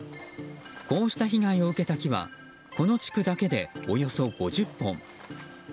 こうした被害を受けた木はこの地区だけで、およそ５０本。